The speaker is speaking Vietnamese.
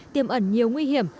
tiêm ẩn nhiều nguy hiểm